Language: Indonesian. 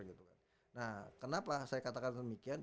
nah kenapa saya katakan demikian